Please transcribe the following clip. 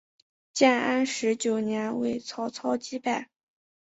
建安十九年为曹操击败。